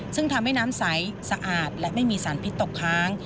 ซึ่งทำให้น้ำใสสะอาดและไม่มีสารพิษตกค้าง